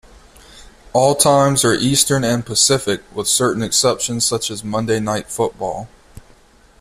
All times are Eastern and Pacific, with certain exceptions, such as "Monday Night Football".